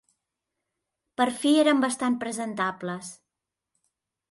Per fi eren bastant presentables.